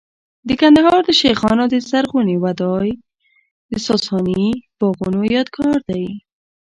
د کندهار د شیخانو د زرغونې وادۍ د ساساني باغونو یادګار دی